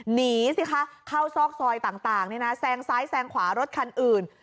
หนีสิคะเข้าซอกซอยต่างแซงซ้ายแซงขวารถคันอื่น